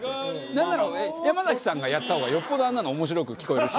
なんなら山崎さんがやった方がよっぽどあんなの面白く聞こえるし。